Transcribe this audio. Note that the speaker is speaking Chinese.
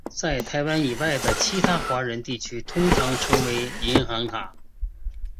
在台湾以外的其他华人地区通常称为银行卡。